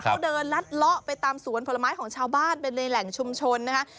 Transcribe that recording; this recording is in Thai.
เขาเดินลัดเลาะไปตามสวนผลไม้ของชาวบ้านไปในแหล่งชุมชนนะคะ